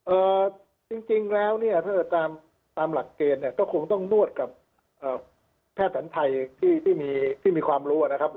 เอ่อจริงแล้วเนี่ยถ้าเกิดตามหลักเกณฑ์เนี่ยก็คงต้องนวดกับแพทย์ฐานไทยที่มีความรู้นะครับ